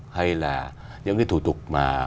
hay là những cái thủ tục mà